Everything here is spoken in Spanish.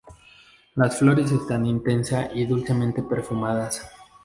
Las flores están intensa y dulcemente perfumadas.